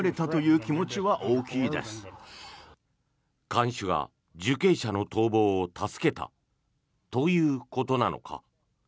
看守が受刑者の逃亡を助けたということなのか。